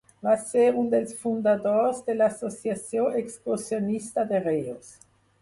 Va ser un dels fundadors de l'Associació Excursionista de Reus.